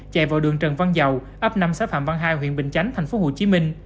chạy vào đường trần văn dầu ấp năm xe phạm văn hai huyện bình chánh tp hcm